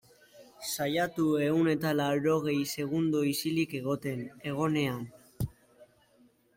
Saiatu ehun eta laurogei segundo isilik egoten, egonean.